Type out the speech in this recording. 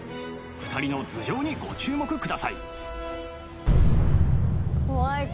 ２人の頭上にご注目ください